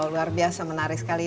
luar biasa menarik sekali